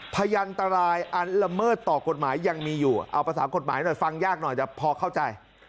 พยานตรายอันละเมิดต่อกฎหมายยังมีอยู่เอาภาษากฎหมายหน่อยฟังยากหน่อยแต่พอเข้าใจ